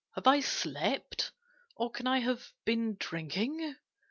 "Have I slept? Or can I have been drinking?"